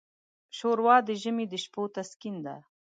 ښوروا د ژمي د شپو تسکین ده.